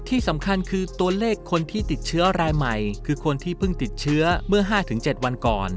ที่สำคัญคือตัวเลขคนที่ติดเชื้อรายใหม่คือคนที่เพิ่งติดเชื้อเมื่อ๕๗วันก่อน